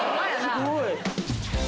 すごい。